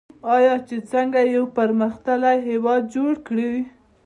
آیا چې څنګه یو پرمختللی هیواد جوړ کړي؟